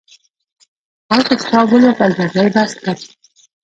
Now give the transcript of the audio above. خلکو کتاب ولوست او جګړه یې بس کړه.